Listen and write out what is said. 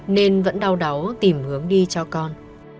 nên vẫn đau đáu tìm hướng đi cho con